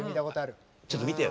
ちょっと見てよ